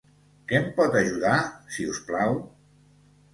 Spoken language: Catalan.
Que em pot ajudar, si us plau?